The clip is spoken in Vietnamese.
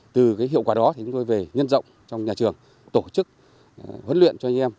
từ hiệu quả đó chúng tôi về nhân rộng trong nhà trường tổ chức huấn luyện cho anh em